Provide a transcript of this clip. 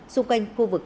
xung quanh khu vực